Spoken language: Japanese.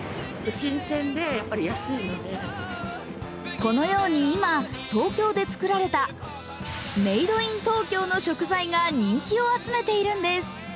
このように今、東京で作られたメイドイン東京の食材が人気を集めているんです。